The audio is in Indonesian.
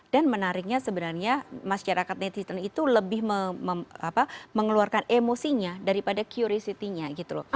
dan menariknya sebenarnya masyarakat netizen itu lebih mengeluarkan emosinya daripada curiosity nya gitu loh